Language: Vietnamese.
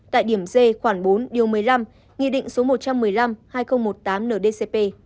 tại điểm d khoảng bốn điều một mươi năm nghị định số một trăm một mươi năm hai nghìn một mươi tám ndcp